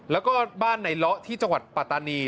แล้วก็บ้านในเลาะที่จังหวัดปัตตานี